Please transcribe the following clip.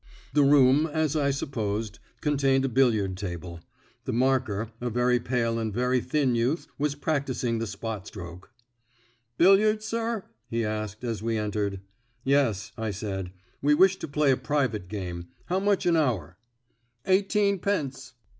The room, as I supposed, contained a billiard table; the marker, a very pale and very thin youth, was practising the spot stroke. "Billiards, sir?" he asked, as we entered. "Yes," I said, "we wish to play a private game. How much an hour?" "Eighteenpence."